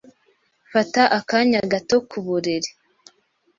Fata akanya gato ku buriri.